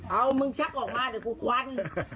เอามึงชักออกมาเดี๋ยวกูควัน